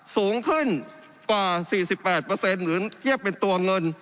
สูงขึ้นกว่า๔๘หรือเทียบเป็นตัวเงิน